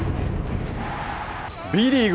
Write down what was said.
Ｂリーグ